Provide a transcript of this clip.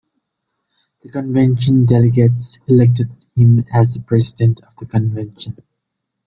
The convention delegates elected him as the President of the Convention.